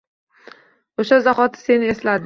O’sha zahoti seni esladim.